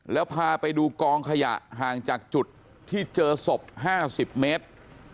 แล้วพาไปดูกองขยะห่างจากจุดที่เจอศพ๕๐เมตร